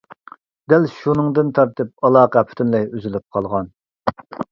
دەل شۇنىڭدىن تارتىپ ئالاقە پۈتۈنلەي ئۈزۈلۈپ قالغان.